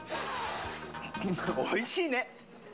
おいしいね。